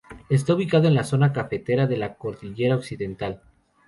Está ubicado en la zona cafetera de la cordillera occidental.